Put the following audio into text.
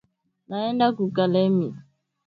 Naenda ku kalemie